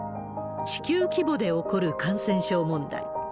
地球規模で起こる感染症問題。